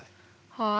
はい。